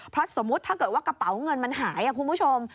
เพราะสมมุติถ้าเกิดว่ากระเป๋าเงินมันหายคุณผู้ชม